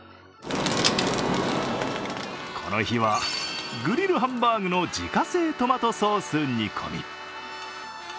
この日はグリルハンバーグの自家製トマトソース煮込み。